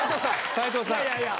斉藤さん？